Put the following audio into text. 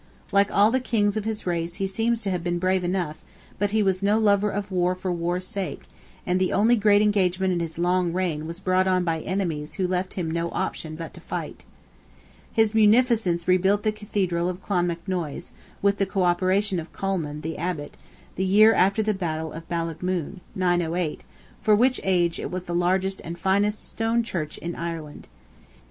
Like all the kings of his race he seems to have been brave enough: but he was no lover of war for war's sake, and the only great engagement in his long reign was brought on by enemies who left him no option but to fight. His munificence rebuilt the Cathedral of Clonmacnoise, with the co operation of Colman, the Abbot, the year after the battle of Ballaghmoon (908); for which age, it was the largest and finest stone Church in Ireland.